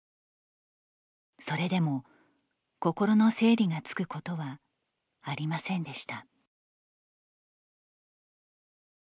それでも心の整理がつくことはありませんでした。